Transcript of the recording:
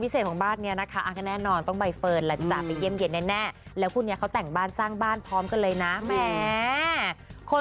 เขาบอกว่าเป็นแฟนเราหรือยังหรือว่ายังไงหรือว่ารอดูกันอยู่